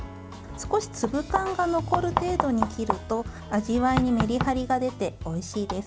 少し粒感が残る程度に切ると味わいにメリハリが出ておいしいです。